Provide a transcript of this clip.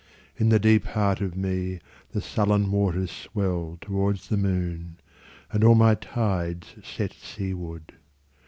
In the deep heart of meThe sullen waters swell towards the moon, And all my tides set seaward.